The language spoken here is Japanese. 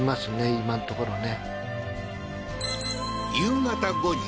今のところね